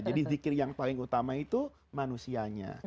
jadi zikir yang paling utama itu manusianya